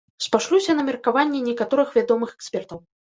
Спашлюся на меркаванне некаторых вядомых экспертаў.